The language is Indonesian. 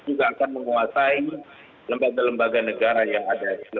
juga akan menguasai lembaga lembaga negara yang ada